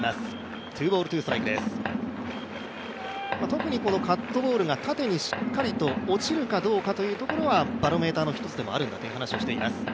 特にカットボールが縦にしっかりと落ちるかどうかというところはバロメーターの１つでもあるんだという話をしています。